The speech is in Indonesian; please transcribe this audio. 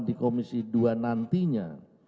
di komisi dua nantinya